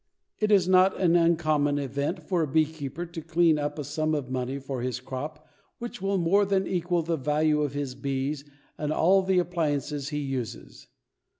It is not an uncommon event for a beekeeper to clean up a sum of money for his crop which will more than equal the value of his bees and all the appliances he uses.